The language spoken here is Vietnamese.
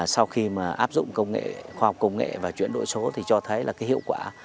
sau khi mà áp dụng công nghệ khoa học công nghệ và chuyển đổi số thì cho thấy là cái hiệu quả